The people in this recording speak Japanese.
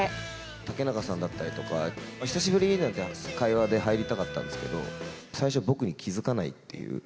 竹中さんだったりとか、久しぶり！なんていう会話で入りたかったんですけど、最初、僕に気付かないっていう。